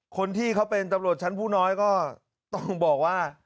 คนที่เขาเป็นตำรวจชั้นผู้น้อยก็ต้องบอกว่า